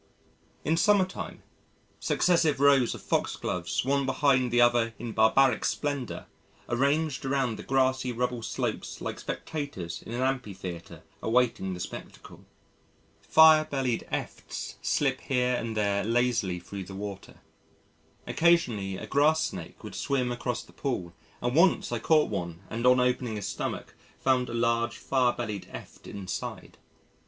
In summer time, successive rows of Foxgloves one behind the other in barbaric splendour are ranged around the grassy rubble slopes like spectators in an amphitheatre awaiting the spectacle. Fire bellied Efts slip here and there lazily thro' the water. Occasionally a Grass snake would swim across the pool and once I caught one and on opening his stomach found a large fire bellied Eft inside.